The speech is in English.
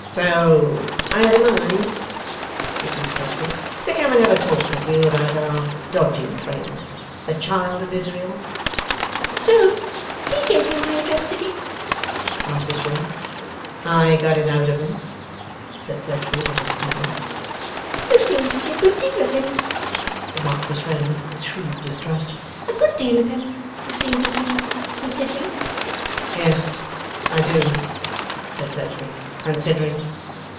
'So I had a mind,' pursued Fledgeby, 'to come and have a talk with you about our dodging friend, the child of Israel.' 'So HE gave you my address; did he?' asked Miss Wren. 'I got it out of him,' said Fledgeby, with a stammer. 'You seem to see a good deal of him,' remarked Miss Wren, with shrewd distrust. 'A good deal of him you seem to see, considering.' 'Yes, I do,' said Fledgeby. 'Considering.